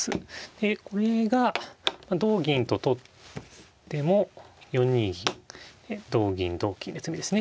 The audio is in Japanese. でこれが同銀と取っても４二銀同銀同金で詰みですね。